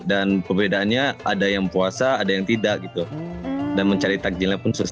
dan perbedaannya ada yang puasa ada yang tidak gitu dan mencari takjilnya pun susah